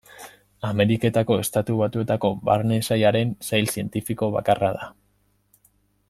Ameriketako Estatu Batuetako Barne Sailaren sail zientifiko bakarra da.